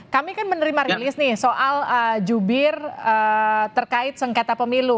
kami kan menerima rilis nih soal jubir terkait sengketa pemilu